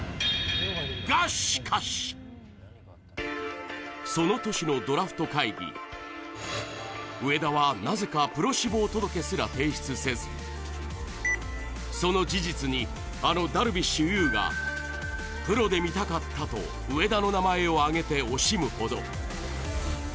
が、しかしその年のドラフト会議、植田はなぜかプロ志望届すら提出せずその事実に、あのダルビッシュ有がプロで見たかったと植田の名前を挙げて惜しむほど。